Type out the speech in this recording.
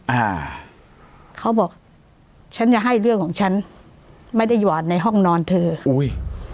อ่าเขาบอกฉันจะให้เรื่องของฉันไม่ได้หวาดในห้องนอนเธออุ้ย